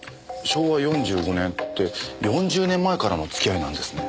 昭和４５年って４０年前からの付き合いなんですね。